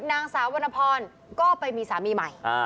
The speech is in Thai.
นางสาววรรณพรก็ไปมีสามีใหม่